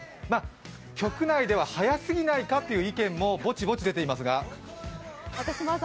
局内では早すぎないかという意見もボチボチ出てるんですが。